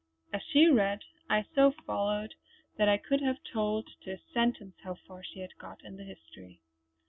As she read I so followed that I could have told to a sentence how far she had got in the history.